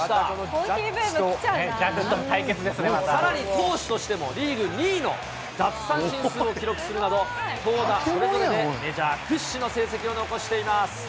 コーヒー、ジャッジとの対決ですね、さらに投手としてもリーグ２位の奪三振数を記録するなど、投打それぞれでメジャー屈指の成績を残しています。